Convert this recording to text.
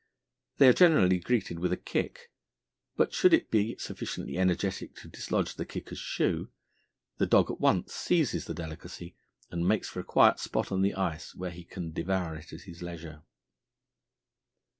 They are generally greeted with a kick, but should it be sufficiently energetic to dislodge the kicker's shoe, the dog at once seizes the delicacy and makes for a quiet spot on the ice where he can devour it at his leisure.